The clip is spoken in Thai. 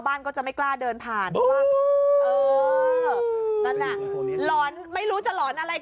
ทางผู้ชมพอเห็นแบบนี้นะทางผู้ชมพอเห็นแบบนี้นะ